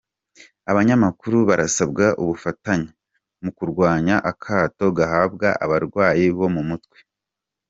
Abanyamakuru barasabwa ubufatanye mu kurwanya akato gahabwa abarwayi bo mu mutwe.